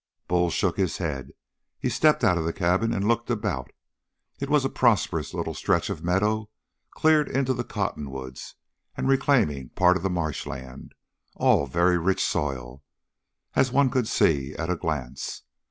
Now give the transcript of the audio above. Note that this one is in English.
Bull shook his head. He stepped out of the cabin and looked about. It was a prosperous little stretch of meadow, cleared into the cottonwoods and reclaiming part of the marshland all very rich soil, as one could see at a glance.